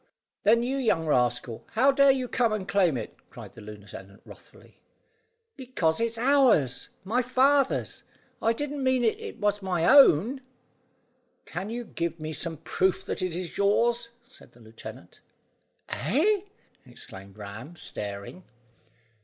"Then, you young rascal, how dare you come and claim it," cried the lieutenant wrathfully. "Because it's ours. My father's; I didn't mean it was my own." "Can you give me some proof that it is yours?" said the lieutenant. "Eh!" exclaimed Ram, staring.